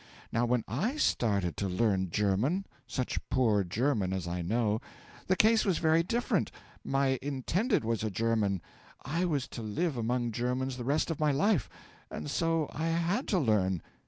Now, when I started to learn German such poor German as I know the case was very different: my intended was a German. I was to live among Germans the rest of my life; and so I had to learn.